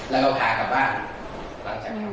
แล้วก็พากลับบ้าน